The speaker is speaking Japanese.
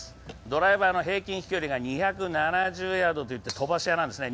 ドライバーの平均飛距離が２７０ヤードで飛ばし屋なんですね。